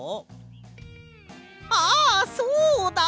あっそうだ！